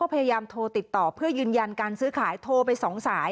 ใครยังยืนยันความเดิม